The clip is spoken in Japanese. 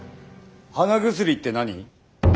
鼻薬って何？